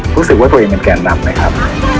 รู้สึกว่าตัวเองเป็นแกนนำไหมครับ